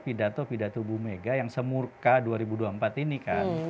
pidato pidato bu mega yang semurka dua ribu dua puluh empat ini kan